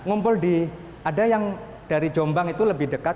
ngumpul di ada yang dari jombang itu lebih dekat